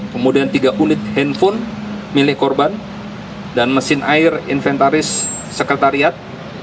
kemudian tiga unit handphone milik korban dan mesin air inventaris sekretariat